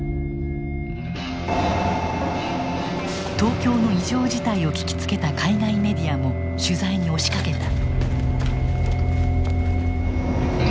東京の異常事態を聞きつけた海外メディアも取材に押しかけた。